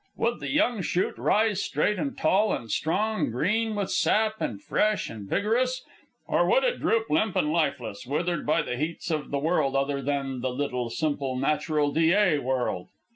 Would the young shoot rise straight and tall and strong, green with sap and fresh and vigorous? Or would it droop limp and lifeless, withered by the heats of the world other than the little simple, natural Dyea world?